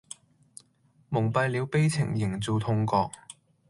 蒙蔽了悲情營造錯覺